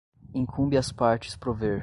incumbe às partes prover